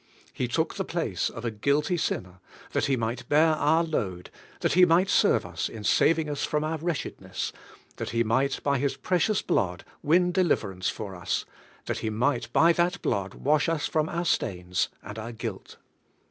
He took the place of a guilty sinner, that He might bear our load, that He might serve us in saving us from our wretchedness, that He 90 CHRIST S HUMILITY OUR SALVATION might by His precious blood win deliverance for us, that He might by that blood wash us from our stain and our guilt.